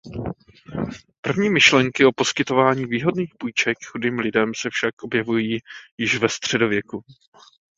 První myšlenky o poskytování výhodných půjček chudým lidem se však objevují již ve středověku.